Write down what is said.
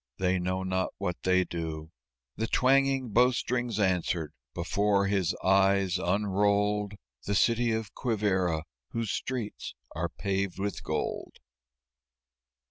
they know not what they do!" The twanging bow strings answered. Before his eyes, unrolled The City of Quivíra whose streets are paved with gold.